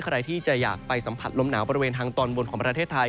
ใครที่จะอยากไปสัมผัสลมหนาวบริเวณทางตอนบนของประเทศไทย